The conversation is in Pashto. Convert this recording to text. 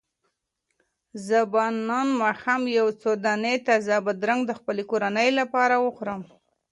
زه به نن ماښام یو څو دانې تازه بادرنګ د خپلې کورنۍ لپاره واخلم.